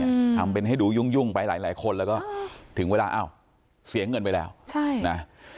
ทำเป็นให้ดูยุ่งยุ่งไปหลายหลายคนแล้วก็ถึงเวลาอ้าวเสียเงินไปแล้วใช่นะ